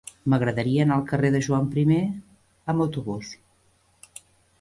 M'agradaria anar al carrer de Joan I amb autobús.